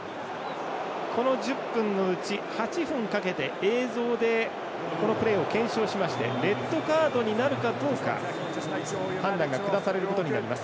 この１０分のうち、８分かけて映像でこのプレーを検証しましてレッドカードになるかどうか判断が下されることになります。